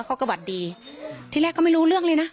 เขาก็หวัดดีที่แรกก็ไม่รู้เรื่องเลยนะ